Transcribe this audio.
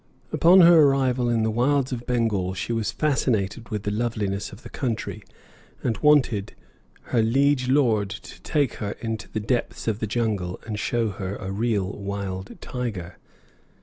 Upon her arrival in the wilds of Bengal she was fascinated with the loveliness of the country, and wanted her liege lord to take her into the depths of the jungle and show her a "real wild tiger."